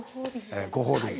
ご褒美に。